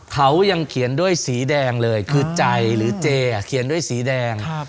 เขายังเขียนด้วยสีแดงเลยคือใจหรือเจเขียนด้วยสีแดง